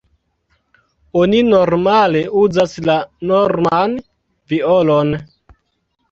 Oni normale uzas la norman violonon.